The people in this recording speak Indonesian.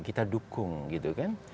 kita dukung gitu kan